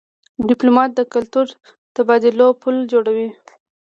ډيپلومات د کلتوري تبادلو پل جوړوي.